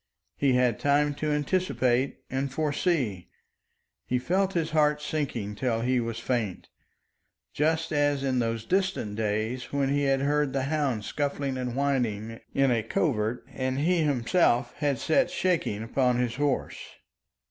He had time to anticipate and foresee. He felt his heart sinking till he was faint, just as in those distant days when he had heard the hounds scuffling and whining in a covert and he himself had sat shaking upon his horse.